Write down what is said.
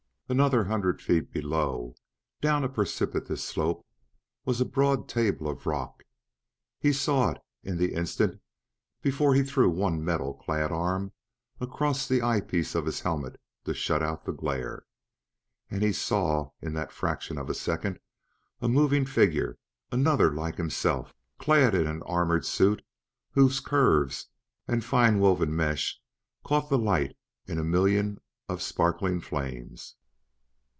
Another hundred feet below, down a precipitous slope, was a broad table of rock. He saw it in the instant before he threw one metal clad arm across the eye piece of his helmet to shut out the glare. And he saw, in that fraction of a second, a moving figure, another like himself, clad in an armored suit whose curves and fine woven mesh caught the light in a million of sparkling flames.